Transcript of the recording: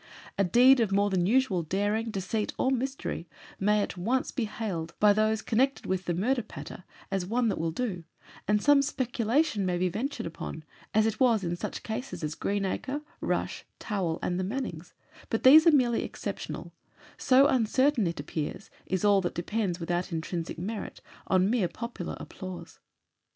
A deed of more than usual daring, deceit, or mystery, may be at once hailed by those connected with murder patter as "one that will do," and some speculation maybe ventured upon, as it was in such cases as Greenacre, Rush, Tawell, and the Mannings, but these are merely exceptional, so uncertain, it appears, is all that depends, without intrinsic merit, on mere popular applause.